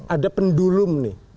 ada pendulum nih